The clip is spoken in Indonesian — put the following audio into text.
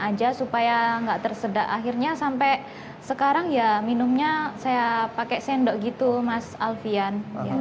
aja supaya nggak tersedak akhirnya sampai sekarang ya minumnya saya pakai sendok gitu mas alfian